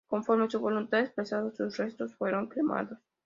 Conforme su voluntad expresada sus restos fueron cremados.